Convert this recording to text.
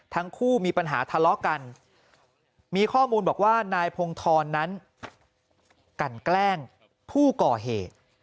ทั้งคู่มีปัญหาทะเลาะกันมีข้อมูลบอกว่านายพงธรนั้นกันแกล้งผู้ก่อเหตุ